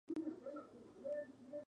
Tiene estacionamientos subterráneos.